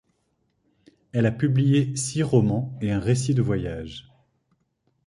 Elle a publié six romans et un récit de voyage.